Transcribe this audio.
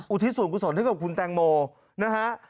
อุทิศศูนย์กุศลเท่ากับคุณแตงโมนะฮะ